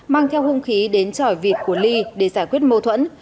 mang theo hung khí đến tròi vịt của ly để giải quyết mâu thuẫn